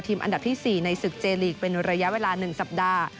เป็นทีมอันดับที่สี่ในศึกเจลีกเป็นระยะเวลาหนึ่งสัปดาห์